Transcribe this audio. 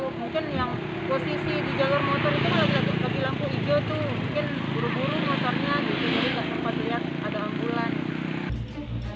mungkin buru buru motornya gitu jadi nggak sempat lihat ada ambulans